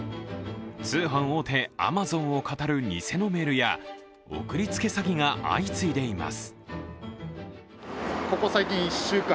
通販大手アマゾンをかたる偽のメールや送りつけ詐欺が相次いでいます。